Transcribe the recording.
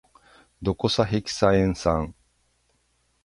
ドコサヘキサエン酸